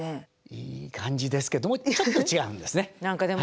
いい感じですけどもちょっと違うんですね。